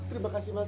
terima kasih mas